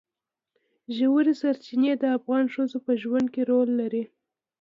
ژورې سرچینې د افغان ښځو په ژوند کې رول لري.